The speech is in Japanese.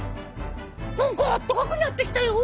何か暖かくなってきたよ！